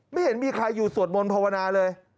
ไม่เห็นมีใครอยู่สวดมนต์ภาวนาเลย